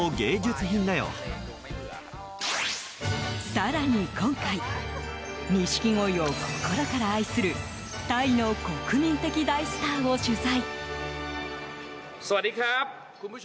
更に今回ニシキゴイを心から愛するタイの国民的大スターを取材。